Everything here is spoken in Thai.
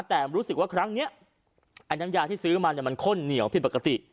แต่รู้สึกว่าครั้งนี้ไอ้น้ำยาที่ซื้อมาเนี่ยมันข้นเหนียวผิดปกติ